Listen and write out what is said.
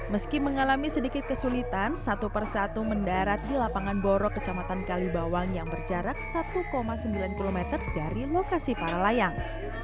meski mengalami sedikit kesulitan satu persatu mendarat di lapangan borok kecamatan kalibawang yang berjarak satu sembilan km dari lokasi para layang